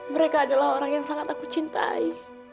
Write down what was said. mereka adalah orang yang sangat aku cintai